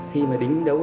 khi mà đính đấu